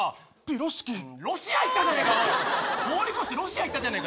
ロシア行ったじゃねえか。